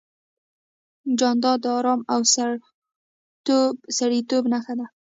جانداد د ارام او سړیتوب نښه ده.